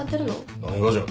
何がじゃ？